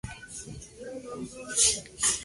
Sigue una progresión de acordes de Cm-Bb-Ab-Gm.